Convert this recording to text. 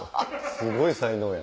すごい才能や。